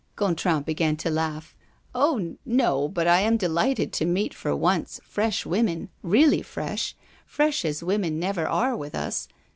Gontran began to laugh: "Oh! no, but I am delighted to meet for once fresh women, really fresh, fresh as women never are with us.